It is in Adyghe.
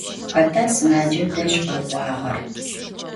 Xeta sımacem dej khek'uağer?